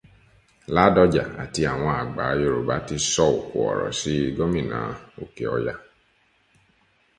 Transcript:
Ládọjà àti àwọn àgbà Yorùbá ti sọ òkò ọ̀rọ̀ sí gómìnà Òkè Ọya